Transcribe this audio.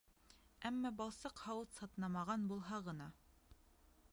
Әммә балсыҡ һауыт сатнамаған булһа ғына.